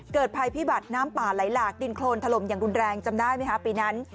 ภัยพิบัติน้ำป่าไหลหลากดินโครนถล่มอย่างรุนแรงจำได้ไหมคะปีนั้น